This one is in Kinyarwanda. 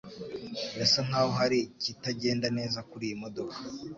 Birasa nkaho hari ikitagenda neza kuriyi modoka.